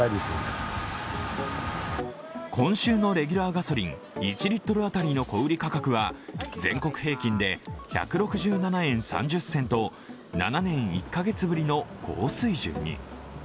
今週のレギュラーガソリン１リットル当たりの小売価格は全国平均で１６７円３０銭と、７年１カ月ぶりの高水準に。